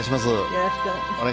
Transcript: よろしくお願いします。